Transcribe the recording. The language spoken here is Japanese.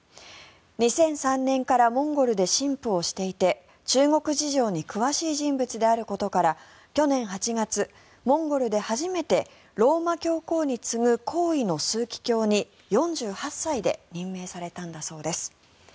２００３年からモンゴルで神父をしていて中国事情に詳しい人物であることから去年８月、モンゴルで初めてローマ教皇に次ぐ高位の枢機卿に４８歳で任命されたんだそうです。